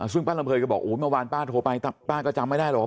ซึ่งป้าลำเภยก็บอกโอ้ยเมื่อวานป้าโทรไปป้าก็จำไม่ได้หรอก